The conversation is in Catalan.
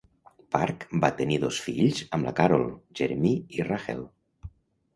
Park va tenir dos fills amb la Carol, Jeremy i Rachael.